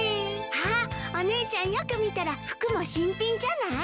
あっお姉ちゃんよく見たら服も新品じゃない？